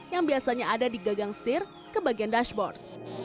yang biasanya ada di gagang setir ke bagian dashboard